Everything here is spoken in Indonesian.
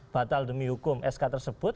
batal demi hukum sk tersebut